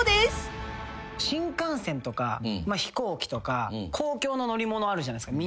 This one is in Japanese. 新幹線とか飛行機とか公共の乗り物あるじゃないですか。